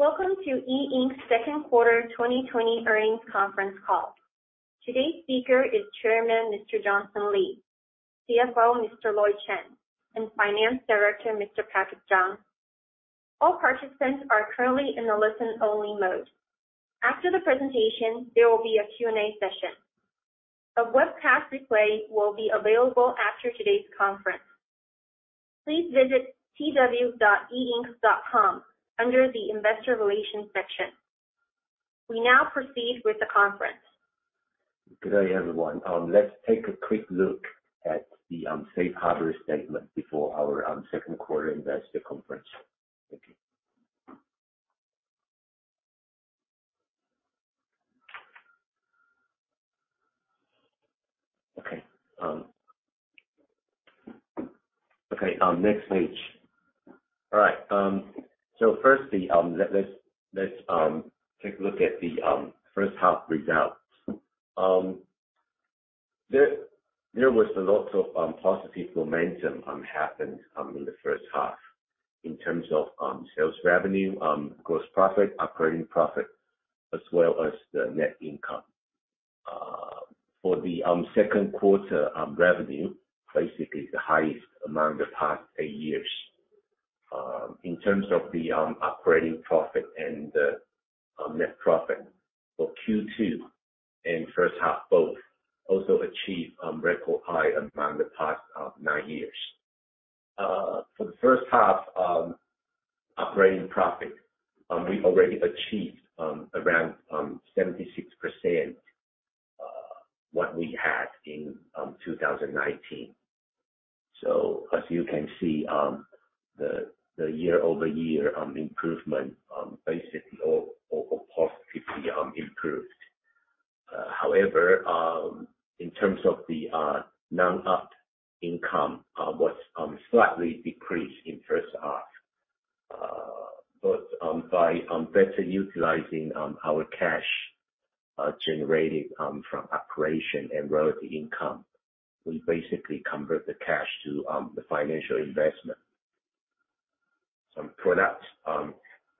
Welcome to E Ink's second quarter 2020 earnings conference call. Today's speaker is Chairman, Mr. Johnson Lee; CFO, Mr. Lloyd Chen; and Finance Director, Mr. Patrick Chang. All participants are currently in the listen-only mode. After the presentation, there will be a Q&A session. A webcast replay will be available after today's conference. Please visit www.eink.com under the investor relations section. We now proceed with the conference. Good day, everyone. Let's take a quick look at the safe harbor statement before our second quarter investor conference. Thank you. Okay. Next page. All right. Firstly, let's take a look at the first half results. There was a lot of positive momentum happened in the first half in terms of sales revenue, gross profit, operating profit, as well as the net income. For the second quarter revenue, basically the highest among the past eight years. In terms of the operating profit and the net profit for Q2 and first half both, also achieved record high among the past nine years. For the first half operating profit, we already achieved around 76% what we had in 2019. As you can see, the year-over-year improvement basically all positively improved. However, in terms of the non-GAAP income was slightly decreased in the first half. By better utilizing our cash generated from operation and royalty income, we basically convert the cash to the financial investment. Some products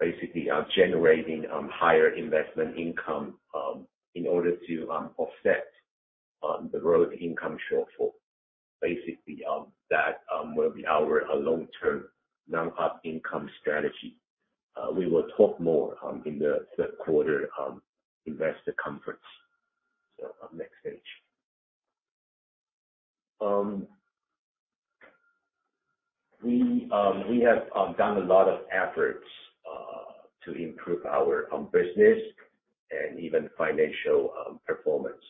basically are generating higher investment income in order to offset the royalty income shortfall. Basically, that will be our long-term non-GAAP income strategy. We will talk more in the third quarter investor conference. Next page. We have done a lot of efforts to improve our business and even financial performance.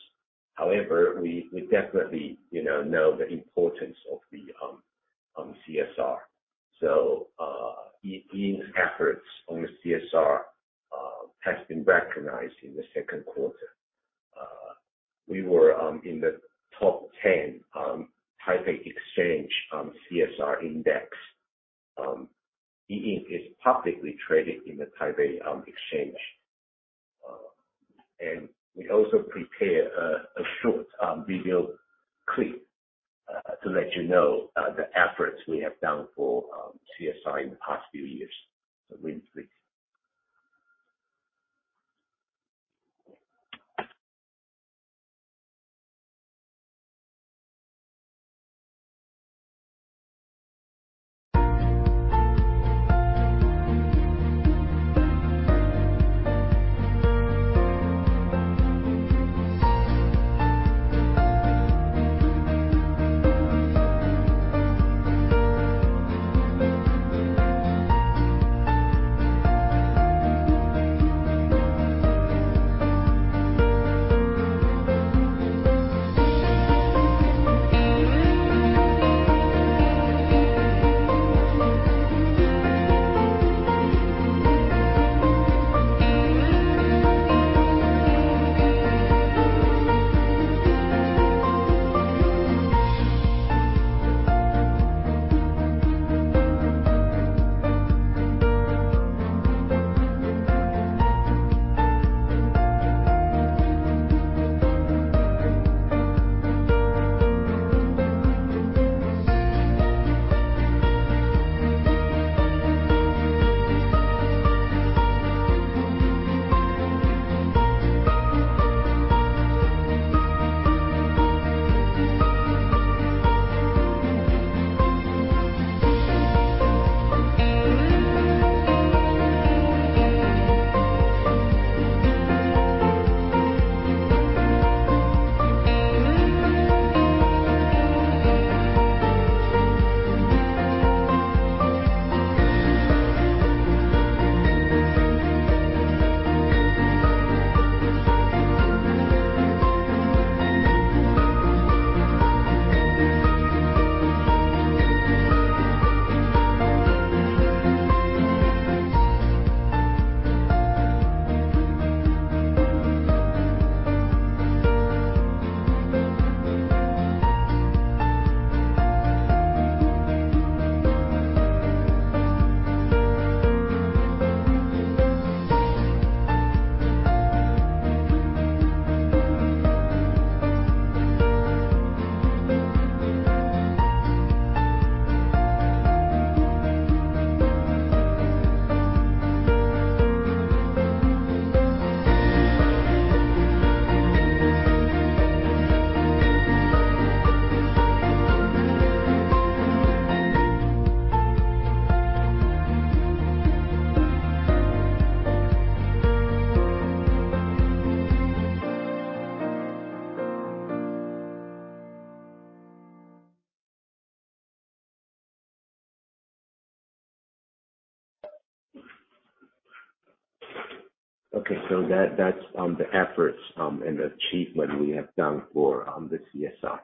However, we definitely know the importance of the CSR. E Ink's efforts on the CSR has been recognized in the second quarter. We were in the top 10 Taipei Exchange CSR Index. E Ink is publicly traded in the Taipei Exchange. We also prepared a short video clip to let you know the efforts we have done for CSR in the past few years. [Wayne], please. That's the efforts and the achievement we have done for the CSR.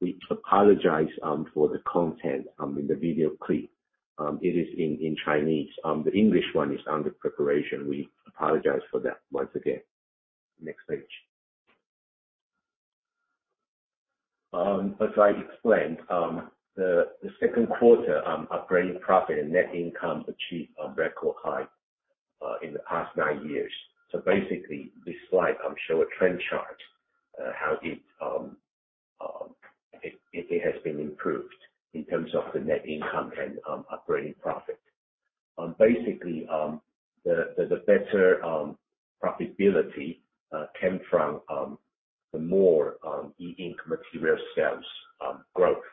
We apologize for the content in the video clip. It is in Chinese. The English one is under preparation. We apologize for that once again. Next page. As I explained, the second quarter operating profit and net income achieved a record high in the past nine years. Basically, this slide shows a trend chart, how it has been improved in terms of the net income and operating profit. Basically, the better profitability came from the more E Ink material sales growth.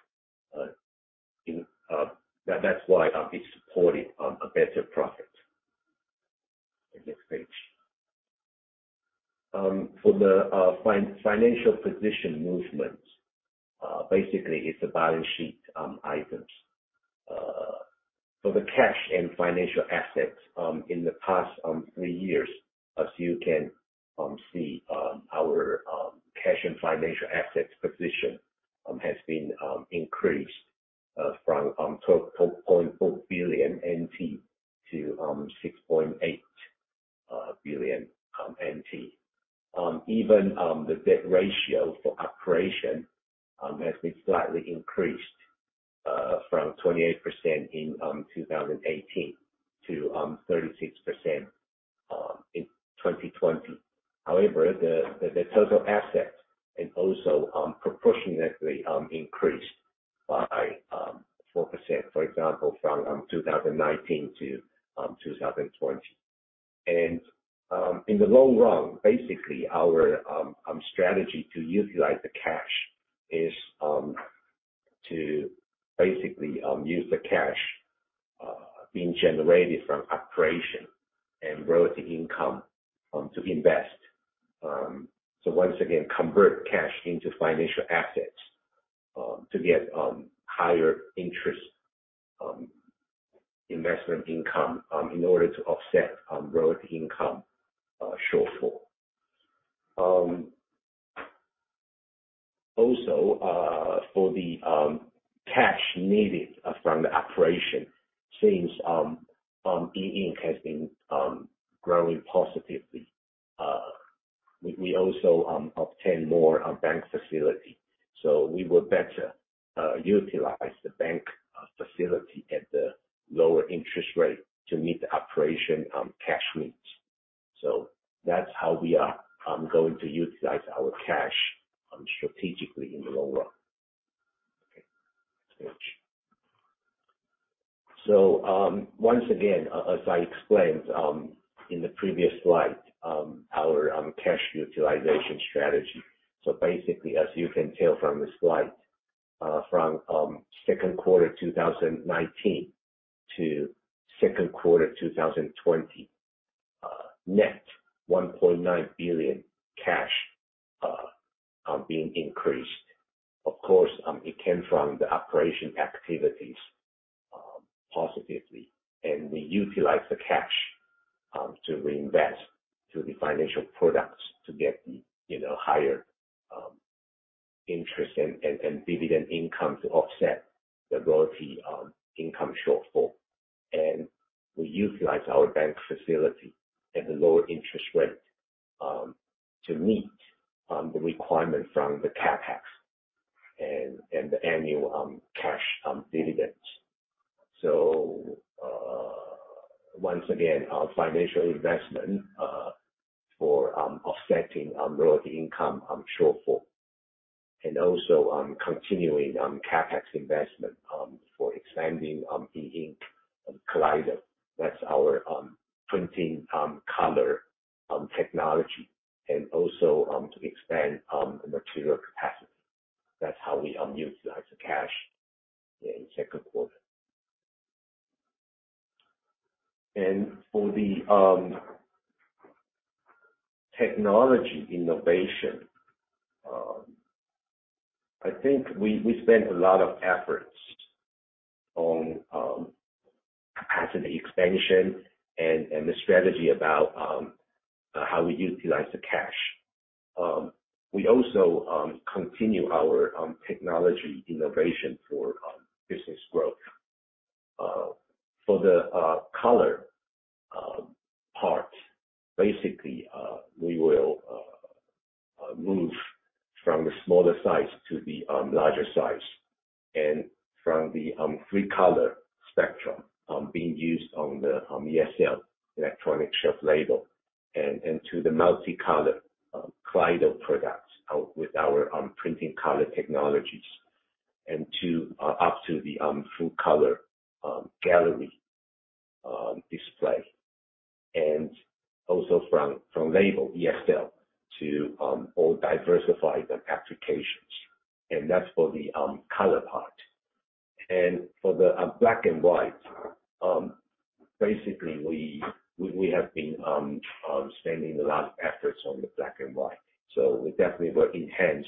That's why it supported a better profit. Next page. For the financial position movement, basically it's the balance sheet items. For the cash and financial assets, in the past three years, as you can see, our cash and financial assets position has been increased from 12.4 billion NT to 16.8 billion NT. Even the debt ratio for operation has been slightly increased, from 28% in 2018 to 36% in 2020. The total assets and also proportionately increased by 4%, for example, from 2019 to 2020. In the long run, basically, our strategy to utilize the cash is to use the cash being generated from operation and royalty income to invest. Once again, convert cash into financial assets to get higher interest investment income in order to offset royalty income shortfall. Also, for the cash needed from the operation, since E Ink has been growing positively, we also obtain more bank facility. We will better utilize the bank facility at the lower interest rate to meet the operation cash needs. That's how we are going to utilize our cash strategically in the long run. Next page. Once again, as I explained in the previous slide, our cash utilization strategy. Basically, as you can tell from the slide, from second quarter 2019 to second quarter 2020, net 1.9 billion cash being increased. Of course, it came from the operation activities positively, and we utilize the cash to reinvest through the financial products to get the higher interest and dividend income to offset the royalty income shortfall. We utilize our bank facility at the lower interest rate, to meet the requirement from the CapEx and the annual cash dividends. Once again, our financial investment for offsetting royalty income shortfall and also continuing CapEx investment for expanding E Ink Kaleido. That's our printing color technology. Also to expand the material capacity. That's how we utilize the cash in the second quarter. For the technology innovation, I think we spent a lot of efforts on capacity expansion and the strategy about how we utilize the cash. We also continue our technology innovation for business growth. For the color part, basically, we will move from the smaller size to the larger size and from the three-color Spectra being used on the ESL, electronic shelf label, and to the multicolor Kaleido products with our printing color technologies, up to the full color Gallery display. Also from label ESL to all diversified applications. That's for the color part. For the black and white, basically, we have been spending a lot of efforts on the black and white. We definitely will enhance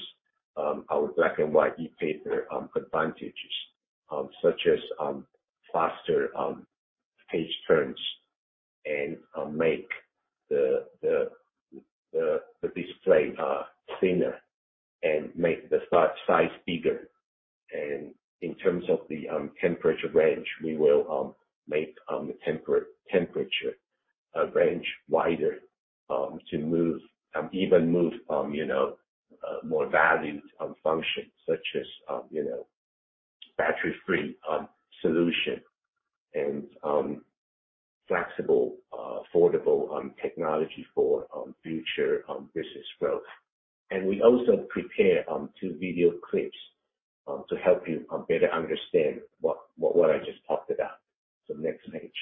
our black and white ePaper advantages, such as faster page turns, and make the display thinner and make the size bigger. In terms of the temperature range, we will make the temperature range wider to even move more valued functions such as battery-free solution and flexible, affordable technology for future business growth. We also prepare two video clips to help you better understand what I just talked about. Next page.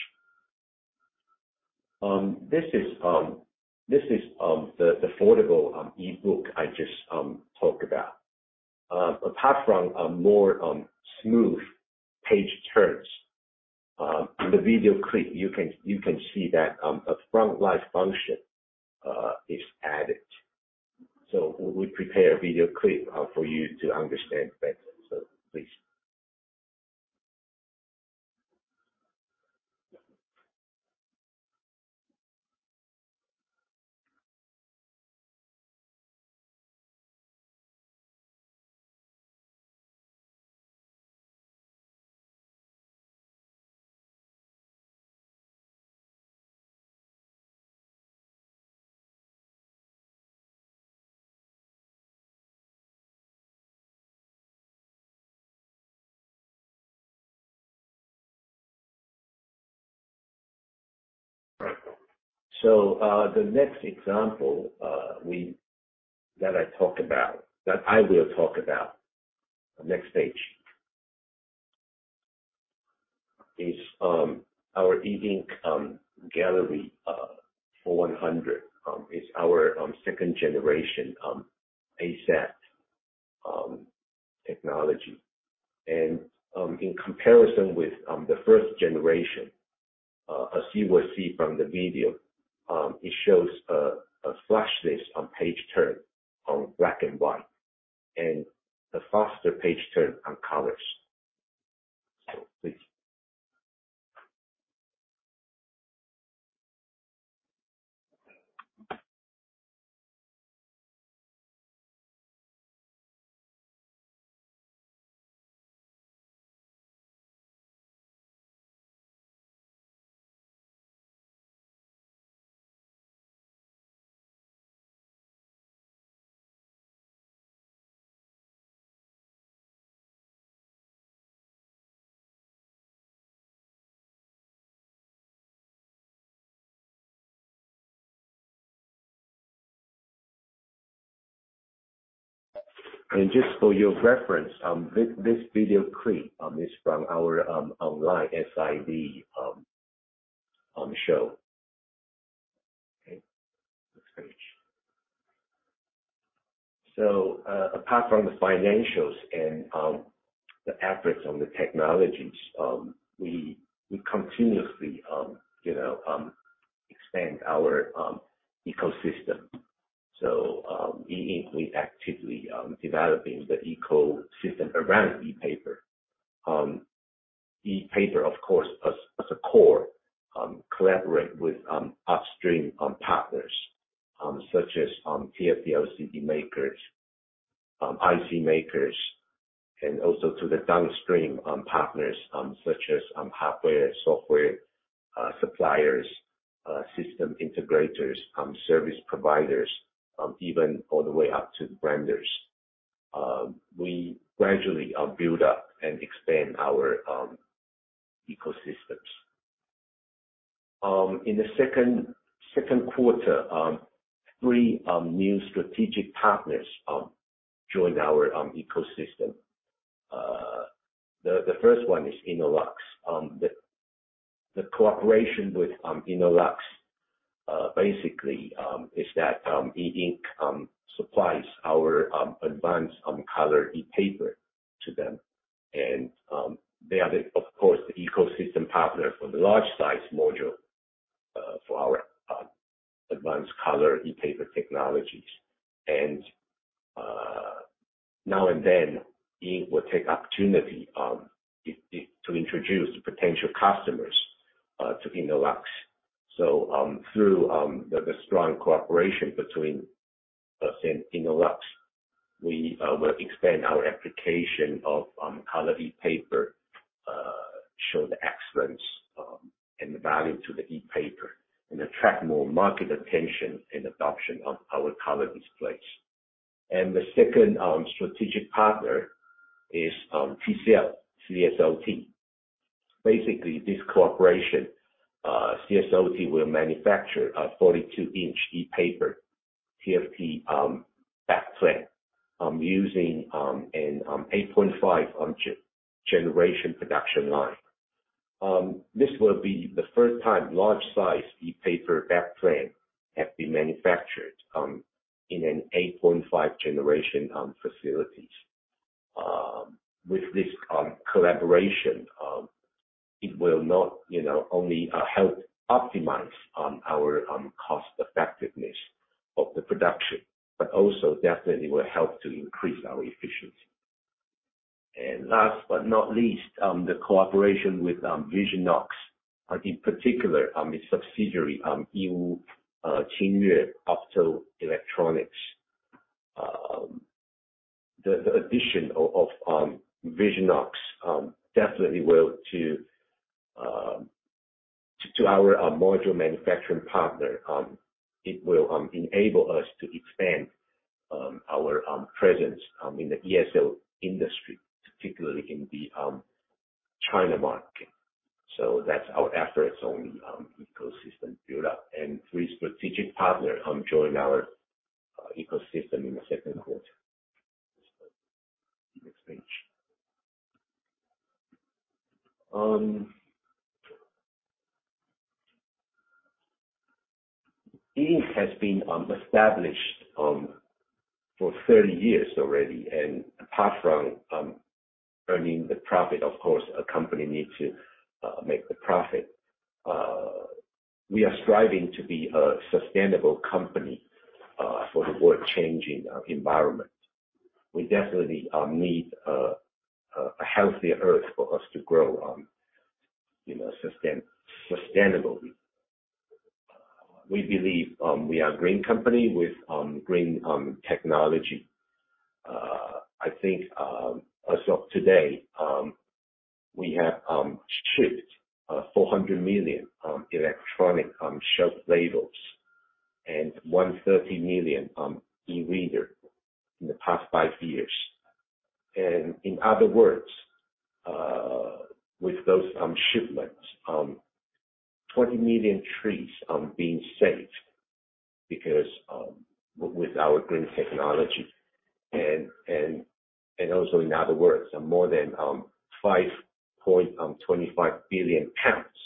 This is the affordable ebook I just talked about. Apart from more smooth page turns, in the video clip, you can see that a front light function is added. We prepare a video clip for you to understand better. Please. Right. The next example that I will talk about, next page, is our E Ink Gallery 4100. It's our second-generation ACeP technology. In comparison with the first generation, as you will see from the video, it shows a frictionless page turn on black and white, and a faster page turn on colors. Please. Just for your reference, this video clip is from our online SID show. Okay. Next page. Apart from the financials and the efforts on the technologies, we continuously expand our ecosystem. E Ink, we actively developing the ecosystem around ePaper. ePaper, of course, as a core, collaborate with upstream partners such as TFT-LCD makers, IC makers, and also to the downstream partners such as hardware, software suppliers, system integrators, service providers, even all the way up to the branders. We gradually build up and expand our ecosystems. In the second quarter, three new strategic partners joined our ecosystem. The first one is Innolux. The cooperation with Innolux basically is that E Ink supplies our advanced color ePaper to them. They are the, of course, the ecosystem partner for the large size module for our advanced color ePaper technologies. Now and then, E Ink will take opportunity to introduce potential customers to Innolux. through the strong cooperation between us and Innolux, we will expand our application of color ePaper, show the excellence and the value to the ePaper, and attract more market attention and adoption of our color displays. The second strategic partner is TCL CSOT. Basically, this cooperation, CSOT will manufacture a 42 in ePaper TFT backplane using an 8.5 generation production line. This will be the first time large size ePaper backplane have been manufactured in an 8.5 generation facilities. With this collaboration, it will not only help optimize our cost effectiveness of the production, but also definitely will help to increase our efficiency. last but not least, the cooperation with Visionox, in particular, a subsidiary, Yiwu Qingyue Optoelectronics. The addition of Visionox definitely will, to our module manufacturing partner, it will enable us to expand our presence in the ESL industry, particularly in the China market. That's our efforts on ecosystem build-up. Three strategic partner join our ecosystem in the second quarter. Next page. E Ink has been established for 30 years already. Apart from earning the profit, of course, a company needs to make the profit. We are striving to be a sustainable company for the world changing environment. We definitely need a healthier earth for us to grow sustainably. We believe we are green company with green technology. As of today, we have shipped 400 million electronic shelf labels and 130 million eReader in the past five years. In other words, with those shipments, 20 million trees being saved because with our green technology. Also in other words, more than 5.25 billion lbs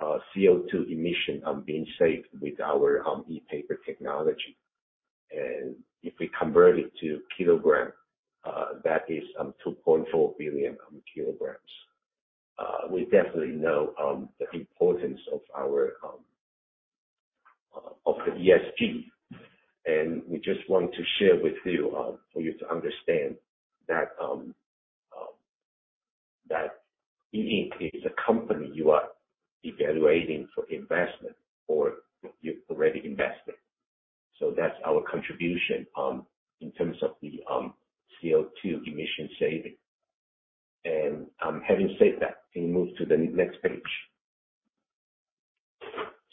of CO2 emission are being saved with our ePaper technology. If we convert it to kilogram, that is 2.4 billion kg. We definitely know the importance of the ESG, and we just want to share with you for you to understand that E Ink is a company you are evaluating for investment or you've already invested. That's our contribution in terms of the CO2 emission saving. Having said that, can you move to the next page?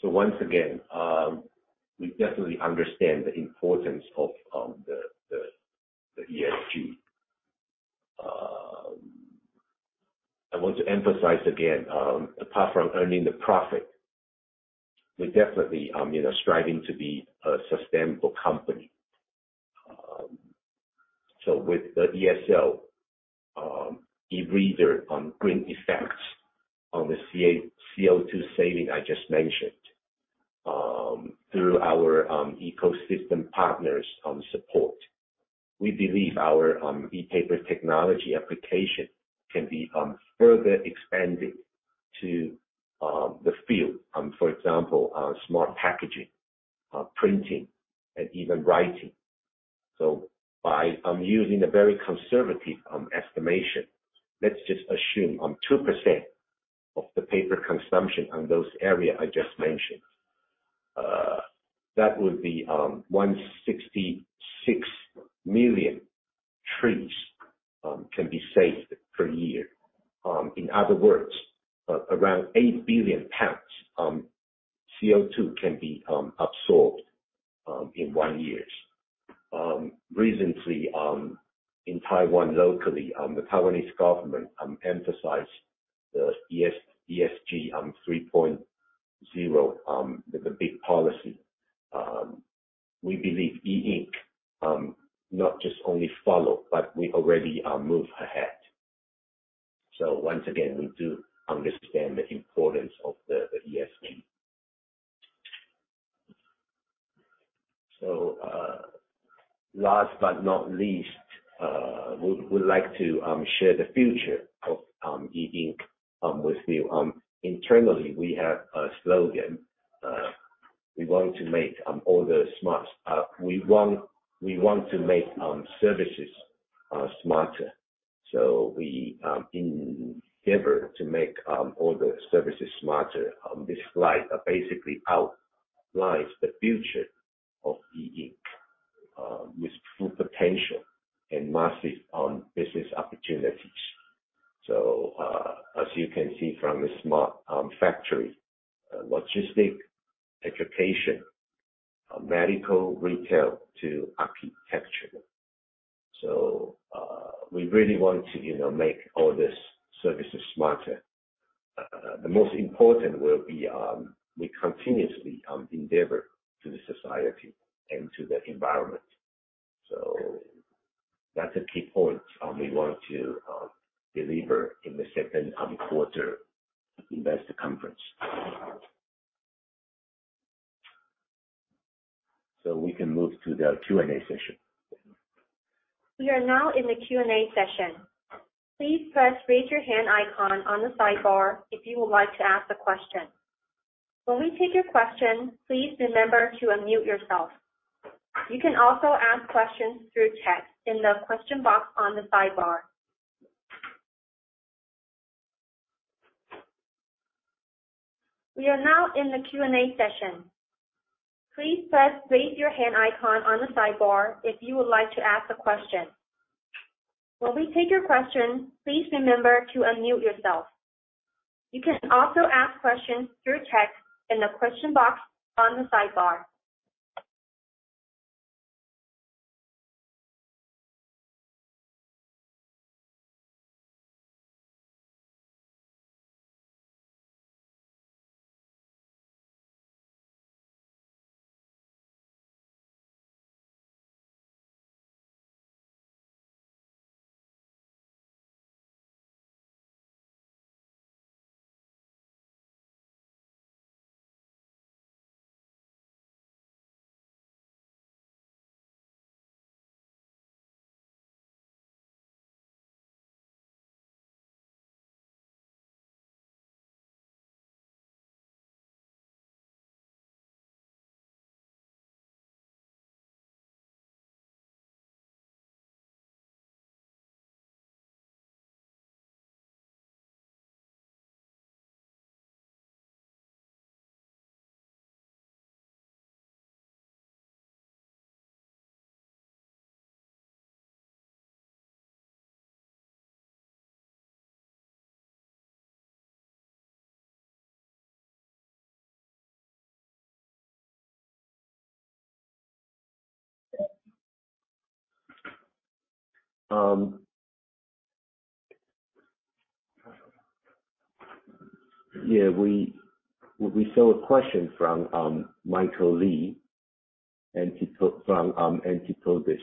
Once again, we definitely understand the importance of the ESG. I want to emphasize again, apart from earning the profit, we're definitely striving to be a sustainable company. With the ESL eReader green effects on the CO2 saving I just mentioned, through our ecosystem partners on support, we believe our ePaper technology application can be further expanded to the field, for example, smart packaging, printing, and even writing. By using a very conservative estimation, let's just assume 2% of the paper consumption on those area I just mentioned, that would be 166 million trees can be saved per year. In other words, around 8 billion lbs of CO2 can be absorbed in one years. Recently, in Taiwan locally, the Taiwanese government emphasized the ESG 3.0 with a big policy. We believe E Ink not just only follow, but we already move ahead. Once again, we do understand the importance of the ESG. Last but not least, we would like to share the future of E Ink with you. Internally, we have a slogan. We want to make services smarter. We endeavor to make all the services smarter. This slide basically outlines the future of E Ink with full potential and massive business opportunities. As you can see from the smart factory, logistics, education, medical, retail to architecture. We really want to make all these services smarter. The most important will be we continuously endeavor to the society and to the environment. That's a key point we want to deliver in the second quarter investor conference. We can move to the Q&A session. We are now in the Q&A session. Please press raise your hand icon on the sidebar if you would like to ask a question. When we take your question, please remember to unmute yourself. You can also ask questions through text in the question box on the sidebar. We are now on a Q&A session. Please press raise your hand icon on the sidebar if you would like to ask a question. When we take your question, please remember to unmute yourself. You can also ask questions through text in the question box on the sidebar. Yeah. We saw a question from Michael Li from Antipodes.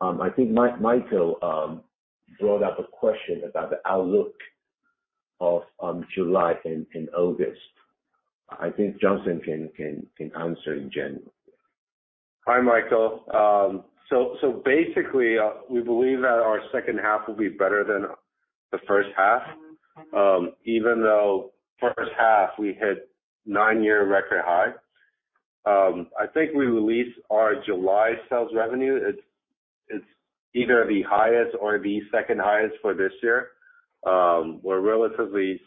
I think Michael brought up a question about the outlook of July and August. I think Johnson can answer in general. Hi, Michael. Basically, we believe that our second half will be better than the first half. Even though first half, we hit nine-year record high. I think we released our July sales revenue. It's either the highest or the second highest for this year. We're relatively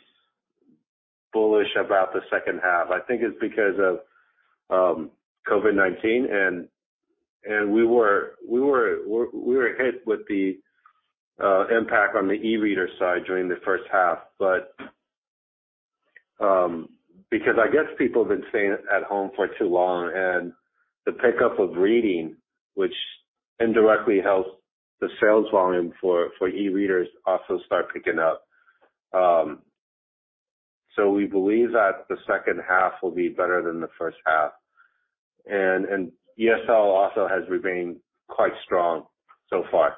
bullish about the second half. I think it's because of COVID-19, and we were hit with the impact on the e-reader side during the first half, but because I guess people have been staying at home for too long, and the pickup of reading, which indirectly helps the sales volume for e-readers also start picking up. We believe that the second half will be better than the first half. ESL also has remained quite strong so far.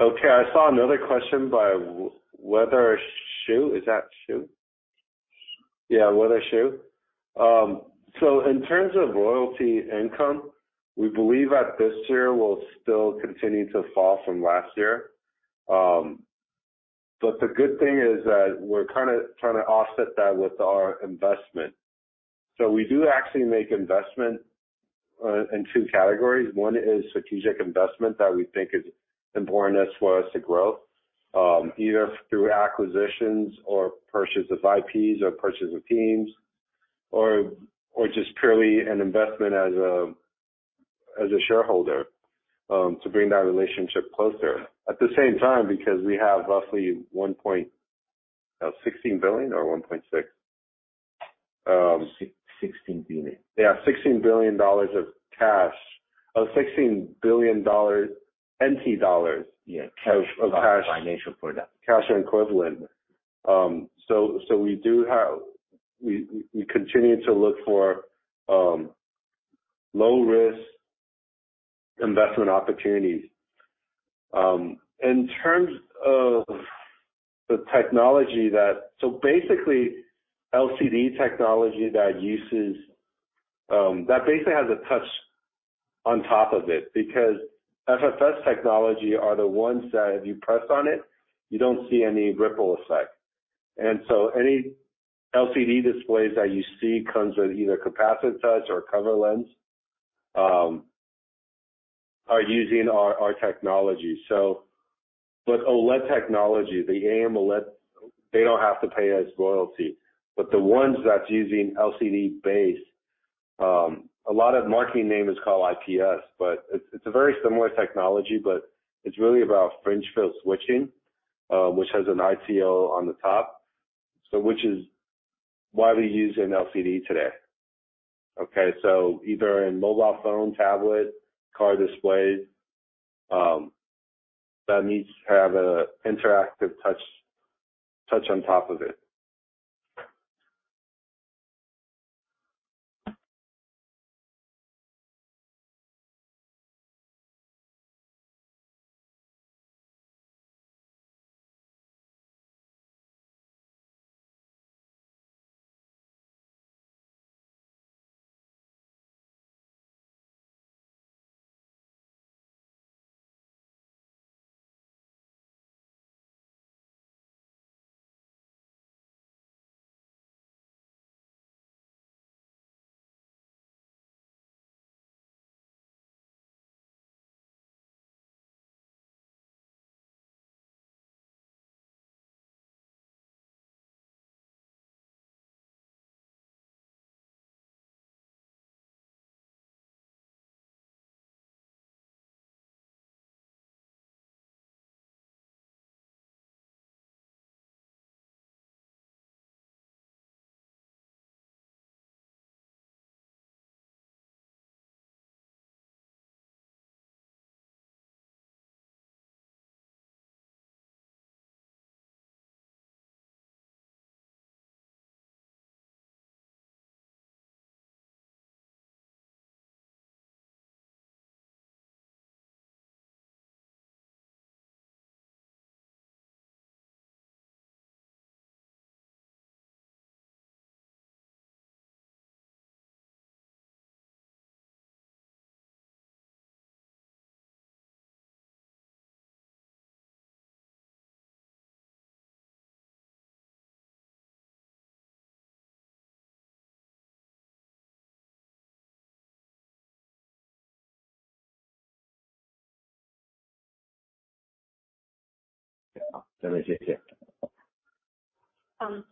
Okay, I saw another question by [Weather Xu]. Is that [Xu]? Yeah, [Weather Xu]. In terms of royalty income, we believe that this year will still continue to fall from last year. The good thing is that we're trying to offset that with our investment. We do actually make investment in two categories. One is strategic investment that we think is important as for us to grow, either through acquisitions or purchase of IPs or purchase of teams, or just purely an investment as a shareholder to bring that relationship closer. At the same time, because we have roughly 16 billion or 1.6 billion? 16 billion. Yeah, 16 billion dollars of cash. Oh, 16 billion TWD dollars- Yeah. Of cash. Financial product. Cash equivalent. We continue to look for low-risk investment opportunities. In terms of the technology, so basically LCD technology that basically has a touch on top of it, because FFS technology are the ones that if you press on it, you don't see any ripple effect. Any LCD displays that you see comes with either capacitive touch or cover lens, are using our technology. OLED technology, the AMOLED, they don't have to pay us royalty. The ones that's using LCD base, a lot of marketing name is called IPS, but it's a very similar technology, but it's really about fringe field switching, which has an ITO on the top, which is widely used in LCD today. Okay, either in mobile phone, tablet, car displays, that needs to have interactive touch on top of it.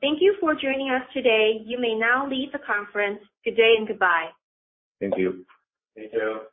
Thank you for joining us today. You may now leave the conference. Good day and goodbye. Thank you. Thank you.